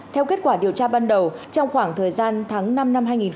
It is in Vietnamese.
theo kết quả điều tra ban đầu trong khoảng thời gian tháng năm năm hai nghìn một mươi chín